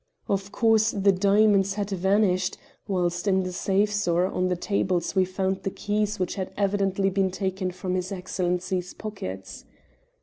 "Of course, the diamonds had vanished, whilst in the safes or on the tables we found the keys which had evidently been taken from his Excellency's pockets.